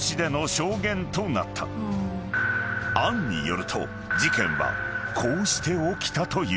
［杏によると事件はこうして起きたという］